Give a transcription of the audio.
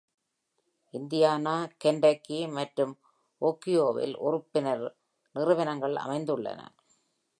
Indiana, Kentucky மற்றும் ஓஹியோவில் உறுப்பினர் நிறுவனங்கள் அமைந்துள்ளன.